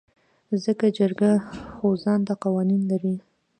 ځکه جرګه خو ځانته قوانين لري .